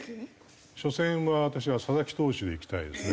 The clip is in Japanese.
初戦は私は佐々木投手でいきたいですね。